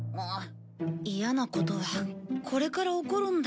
嫌なことはこれから起こるんだ。